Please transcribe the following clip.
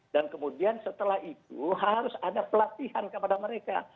dan kemudian setelah itu harus ada pelatihan kepada mereka